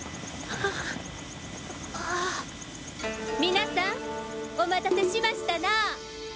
皆さんお待たせしましたなぁ